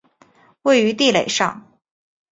位于地垒上。